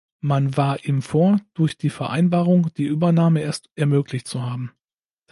Man war ihm vor, durch die Vereinbarung die Übernahme erst ermöglicht zu haben.